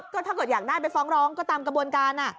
ก็ถ้าเกิดอยากได้ไปฟ้องร้องก็ตามกระบวนการ